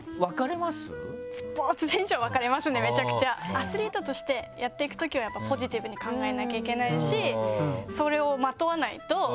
アスリートとしてやっていくときはやっぱポジティブに考えなきゃいけないし。